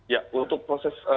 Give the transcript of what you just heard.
ya untuk proses